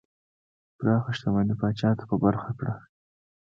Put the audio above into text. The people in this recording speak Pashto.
پراخه شتمنۍ پاچا ته په برخه کړه.